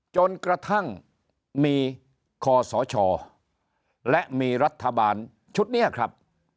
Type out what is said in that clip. จนกระทั่งมีคอสชและมีรัฐบาลชุดนี้ครับ